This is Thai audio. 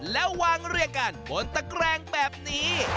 แล้ววางเรียงกันบนตะแกรงแบบนี้